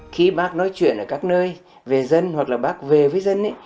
khi bác nói chuyện ở các nơi về dân hoặc là bác về với dân